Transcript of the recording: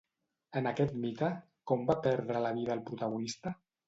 En aquest mite, com va perdre la vida el protagonista?